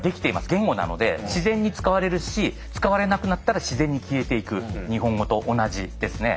言語なので自然に使われるし使われなくなったら自然に消えていく日本語と同じですね。